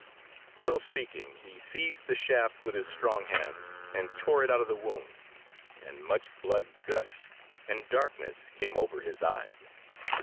So speaking he seized the shaft with his strong hands and tore it out of the wound, and much blood gushed, and darkness came over his eyes.